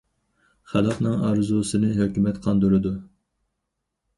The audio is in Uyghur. خەلقنىڭ ئارزۇسىنى ھۆكۈمەت قاندۇرىدۇ.